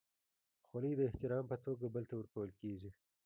خولۍ د احترام په توګه بل ته ورکول کېږي.